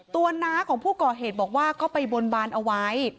น้าของผู้ก่อเหตุบอกว่าก็ไปบนบานเอาไว้